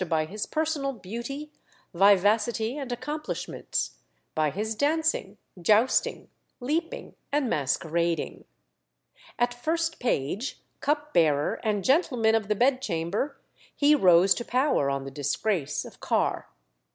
by his personal beauty, vivacity, and accomplishments by his dancing, jousting, leaping, and masquerading. At first page, cupbearer, and gentleman of the bedchamber, he rose to power on the disgrace of Carr.